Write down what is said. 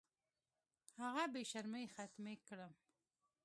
هغه بې شرمۍ ختمې کړم.